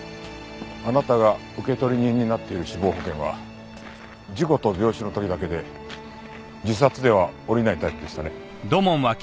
あなたが受取人になっている死亡保険は事故と病死の時だけで自殺ではおりないタイプでしたね。